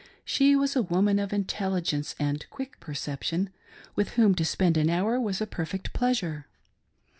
She was a woman of intelligence and quick perception, with' whom to spend an hour was a perfect pleasure.